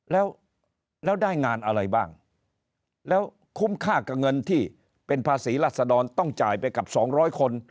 แล้วได้งานอะไรบ้างแล้วคุ้มค่ากับเงินที่เป็นภาษีรัศดรต้องจ่ายไปกับ๒๐๐คน